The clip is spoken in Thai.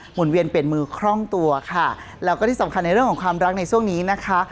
นเวียนเปลี่ยนมือคล่องตัวค่ะแล้วก็ที่สำคัญในเรื่องของความรักในช่วงนี้นะคะ